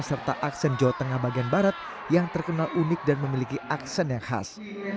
serta aksen jawa tengah bagian barat yang terkenal unik dan memiliki aksen yang khas